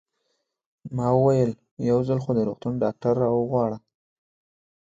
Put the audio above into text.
ما وویل: یو ځل خو د روغتون ډاکټر را وغواړه.